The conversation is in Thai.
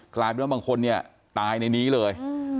กลายเป็นว่าบางคนเนี่ยตายในนี้เลย